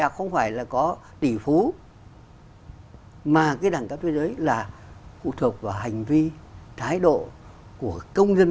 không phải là có tỷ phú mà cái đẳng cấp thế giới là phụ thuộc vào hành vi thái độ của công dân